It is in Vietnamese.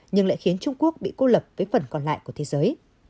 nhưng lại khiến trung quốc bị cô lập với phần còn lại của thế giới